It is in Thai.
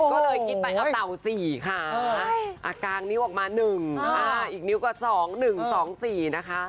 ก็เลยกินไปเอาตาว๔ขาอ่ะกางนิ้วออกมา๑อีกนิ้วก็๒๑๒๔นะคะ